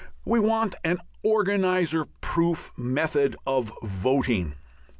We want an organizer proof method of voting.